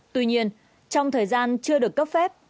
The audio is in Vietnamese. tuy nhiên trong thời gian chưa được cấp phép